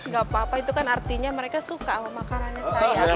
gak apa apa itu kan artinya mereka suka sama makanannya saya